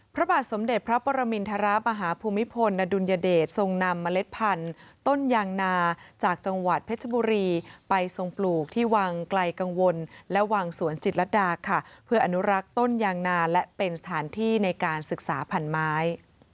พระบาทสมเด็จพระปรมินทรมาฮภูมิพลอดุลยเดชทรงนำเมล็ดพันธุ์ต้นยางนาจากจังหวัดเพชรบุรีไปทรงปลูกที่วังไกลกังวลและวังสวนจิตรดาค่ะเพื่ออนุรักษ์ต้นยางนาและเป็นสถานที่ในการศึกษาพันไม้